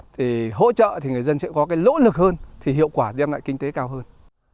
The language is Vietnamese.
thì hỗ trợ thì người dân sẽ có cái lỗ lực hơn thì hiệu quả đem lại kinh tế cao hơn